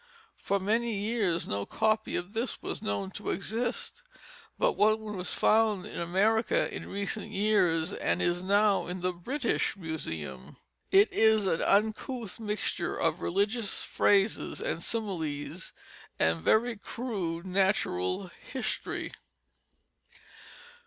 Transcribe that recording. For many years no copy of this was known to exist, but one was found in America in recent years, and is now in the British Museum. It is an uncouth mixture of religious phrases and similes and very crude natural history.